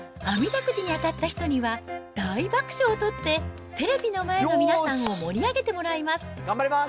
あみだくじに当たった人には、大爆笑を取って、テレビの前の皆さんを盛り上げてもらいます。